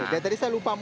dan tadi saya lupa